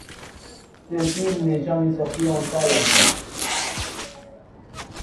Ce film n'est jamais sorti en salle en France.